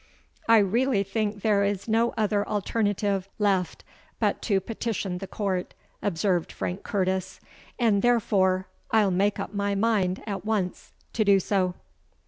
"I really think there is no other alternative left but to petition the Court," observed Frank Curtis; "and therefore I'll make up my mind at once to do so."